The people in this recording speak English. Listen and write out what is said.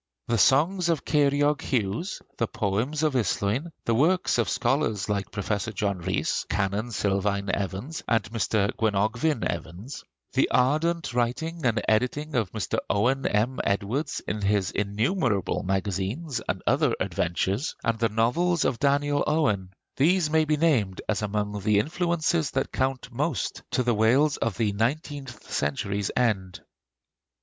The songs of Ceiriog Hughes, the poems of Islwyn, the works of scholars like Professor John Rhys, Canon Silvain Evans, and Mr. Gwenogfvyn Evans; the ardent writing and editing of Mr. Owen M. Edwards in his innumerable magazines and other adventures; and the novels of Daniel Owen, these may be named as among the influences that count most to the Wales of the nineteenth century's end.